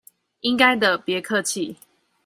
應該的，別客氣！